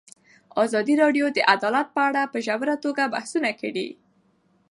ازادي راډیو د عدالت په اړه په ژوره توګه بحثونه کړي.